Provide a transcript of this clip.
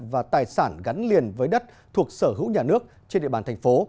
và tài sản gắn liền với đất thuộc sở hữu nhà nước trên địa bàn thành phố